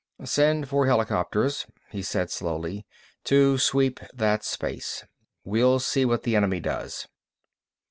"Send four helicopters," he said slowly, "to sweep that space. We'll see what the enemy does."